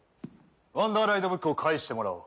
ワンダーライドブックを返してもらおう。